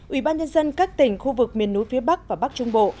ủy ban nhân dân các tỉnh khu vực miền núi phía bắc và bắc trung bộ